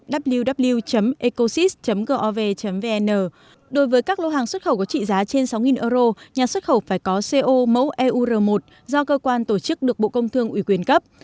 đối với các lô hàng xuất khẩu có trị giá trên sáu euro nhà xuất khẩu phải có co mẫu eur một do cơ quan tổ chức được bộ công thương ủy quyền cấp